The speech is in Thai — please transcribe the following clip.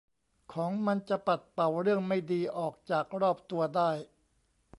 ของมันจะปัดเป่าเรื่องไม่ดีออกจากรอบตัวได้